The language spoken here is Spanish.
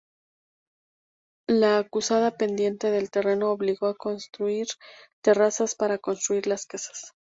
La acusada pendiente del terreno obligó a construir terrazas para construir las casas.